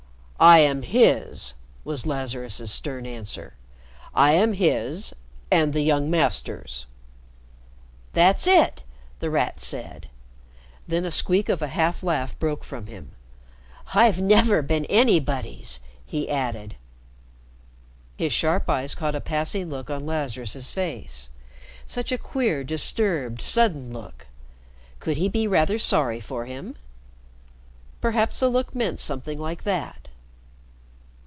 "I am his," was Lazarus's stern answer. "I am his and the young Master's." "That's it," The Rat said. Then a squeak of a half laugh broke from him. "I've never been anybody's," he added. His sharp eyes caught a passing look on Lazarus's face. Such a queer, disturbed, sudden look. Could he be rather sorry for him? Perhaps the look meant something like that.